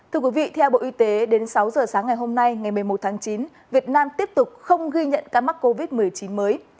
thưa quý vị theo bộ y tế đến sáu giờ sáng ngày hôm nay ngày một mươi một tháng chín việt nam tiếp tục không ghi nhận ca mắc covid một mươi chín mới